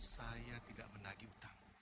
saya tidak menagih hutang